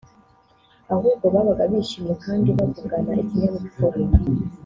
ahubwo babaga bishimye kandi bavugana ikinyabupfura